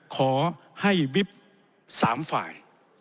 ขอให้วิบ๓ฝ่าย